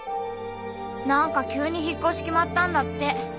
「なんか急に引っこし決まったんだって」。